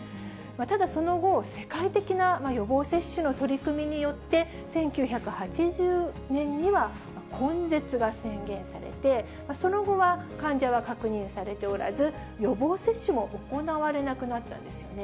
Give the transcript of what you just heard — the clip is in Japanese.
ただ、その後、世界的な予防接種の取り組みによって、１９８０年には根絶が宣言されて、その後は患者は確認されておらず、予防接種も行われなくなったんですよね。